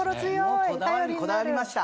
もうこだわりにこだわりました。